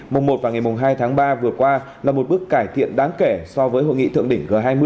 mùng một và ngày mùng hai tháng ba vừa qua là một bước cải thiện đáng kể so với hội nghị thượng đỉnh g hai mươi